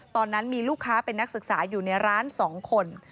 ตอนนั้นมีลูกค้าเป็นนักศึกษาอยู่ในร้าน๒คน